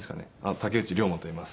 竹内涼真といいます。